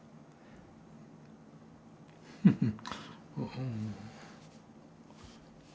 フフッ。